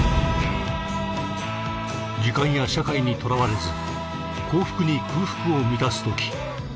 時間や社会にとらわれず幸福に空腹を満たすとき